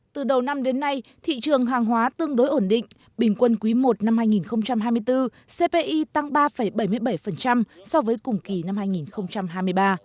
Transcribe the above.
từ đầu năm đến nay thị trường hàng hóa tương đối ổn định bình quân quý i năm hai nghìn hai mươi bốn cpi tăng ba bảy mươi bảy so với cùng kỳ năm hai nghìn hai mươi ba